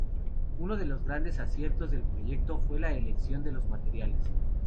Uno de los grandes aciertos del proyecto fue la elección de los materiales.